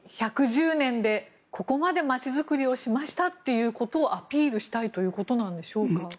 １１０年でここまで街づくりをしましたということをアピールしたいということなんでしょうか。